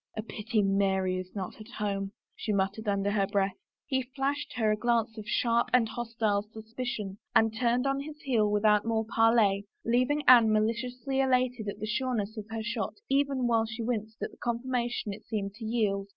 " A pity Mary is not at home," she muttered under her breath. He flashed her a glance of sharp and hostile suspicion and turned on his heel without more parley, leaving Anne maliciously elated at the sureness of her shot even while she winced at the confirmation it seemed to yield.